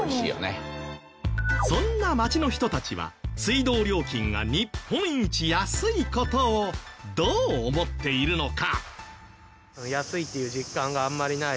そんな町の人たちは水道料金が日本一安い事をどう思っているのか？